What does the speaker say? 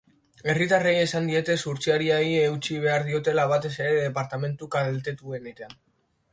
Herritarrei esan diete zuhurtziari eutsi behar diotela, batez ere departamentu kaltetuenetan.